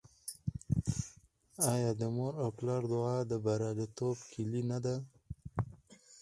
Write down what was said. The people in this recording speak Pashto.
آیا د مور او پلار دعا د بریالیتوب کیلي نه ده؟